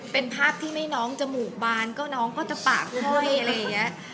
เป็นภาพที่ไม่น้องจะหมู่บานก็น้องก็จะปากค่อย